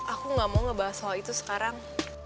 aku tidak mau membahas hal itu sekarang